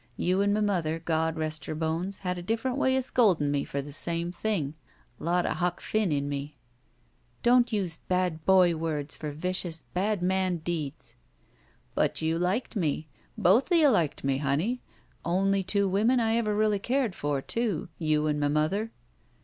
You and m' mother, God rest her bones, had a diCEerent way of scoldin' me for the same tiling. Lot o' Huck Finn in me." "Don't use bad boy words for vicious, bad man deeds!" "But you liked me. Both of you liked me, honey. Only two women I ever really cared for, too. You and m' mother."